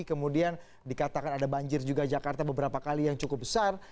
kemudian dikatakan ada banjir juga jakarta beberapa kali yang cukup besar